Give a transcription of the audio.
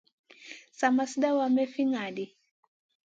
Sa ma suɗawa may fi ŋaʼaɗ ɗi.